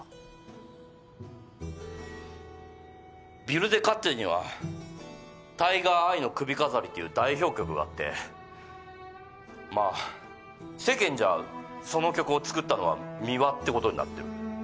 ＷＩＬＤＥＫＡＴＺＥには『タイガーアイの首飾り』という代表曲があってまあ世間じゃその曲を作ったのは美和ってことになってる。